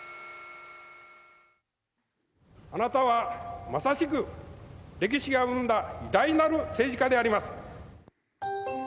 あなたは、まさしく歴史が生んだ偉大なる政治家であります。